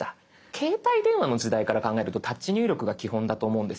携帯電話の時代から考えるとタッチ入力が基本だと思うんですよ。